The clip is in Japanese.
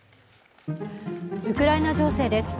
ウクライナ情勢です。